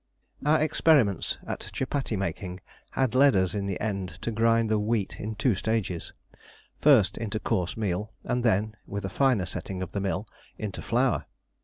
Our experiments at chupattie making had led us in the end to grind the wheat in two stages first into coarse meal, and then, with a finer setting of the mill, into flour.